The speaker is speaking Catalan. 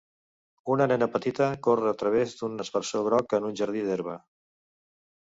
Una nena petita corre a través d'un aspersor groc en un jardí d'herba.